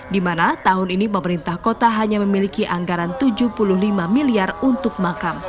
di mana tahun ini pemerintah kota hanya memiliki anggaran rp tujuh puluh lima miliar untuk makam